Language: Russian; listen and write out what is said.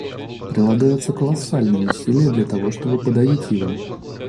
Прилагаются колоссальные усилия, для того чтобы подавить его.